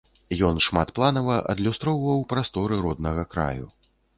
Ён шматпланава адлюстроўваў прасторы роднага краю.